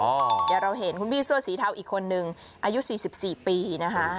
เดี๋ยวเราเห็นคุณพี่เสื้อสีเทาอีกคนนึงอายุ๔๔ปีนะคะ